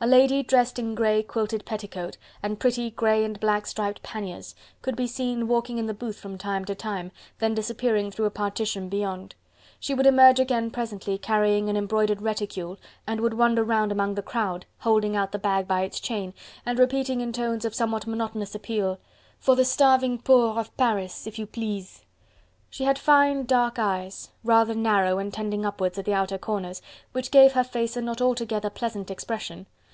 A lady, dressed in grey quilted petticoat and pretty grey and black striped paniers, could be seen walking in the booth from time to time, then disappearing through a partition beyond. She would emerge again presently carrying an embroidered reticule, and would wander round among the crowd, holding out the bag by its chain, and repeating in tones of somewhat monotonous appeal: "For the starving poor of Paris, if you please!" She had fine, dark eyes, rather narrow and tending upwards at the outer corners, which gave her face a not altogether pleasant expression.